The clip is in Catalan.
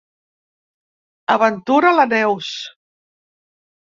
Aventura la Neus.